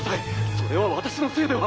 それは私のせいでは。